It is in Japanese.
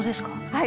「はい。